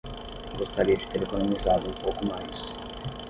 Gostaria de ter economizado um pouco mais